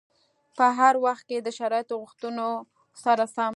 په هر وخت کې د شرایطو غوښتنو سره سم.